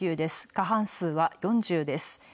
過半数は４０です。